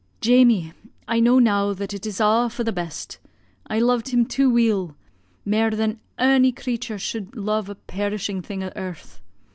'Jamie, I know now that it is a' for the best; I lo'ed him too weel mair than ony creature sud lo'e a perishing thing o' earth.